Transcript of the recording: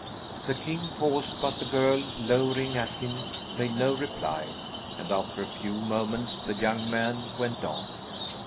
The king paused, but the girl, lowering at him, made no reply, and after a few moments the young man went on.